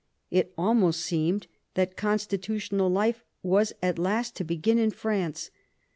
It almost seemed that constitutional life was at last to begin in France.